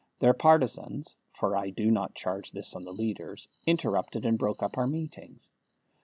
Their partisans (for I do not charge this on the leaders) interrupted and broke up our meetings.